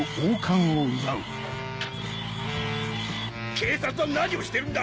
警察は何をしてるんだ！